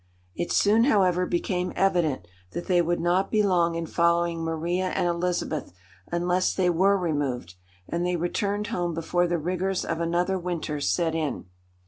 It soon, however, became evident that they would not be long in following Maria and Elizabeth unless they were removed; and they returned home before the rigours of another winter set in.